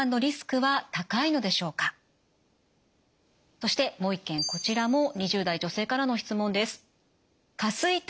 そしてもう一件こちらも２０代女性からの質問です。